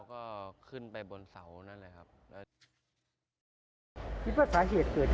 พี่กู้ภัยภาษาเหตุเกิดจากไหน